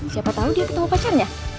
siapa tahu dia ketemu pacarnya